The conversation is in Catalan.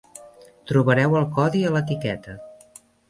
Trobareu el codi a l'etiqueta.